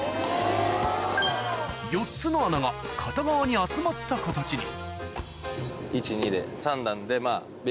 ４つの穴が片側に集まった形に１・２で。